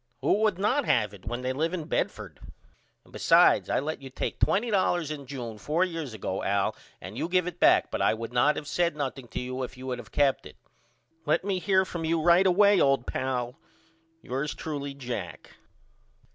Who would not have it when they live in Bedford? And besides I let you take $20 in June 4 years ago Al and you give it back but I would not have said nothing to you if you had of kept it. Let me hear from you right away old pal. Yours truly, JACK.